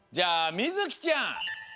みずきちゃん